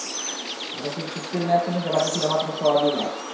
অথচ চুক্তির মেয়াদ শেষ হতে বাকি ছিল মাত্র প্রায় সোয়া দুই মাস।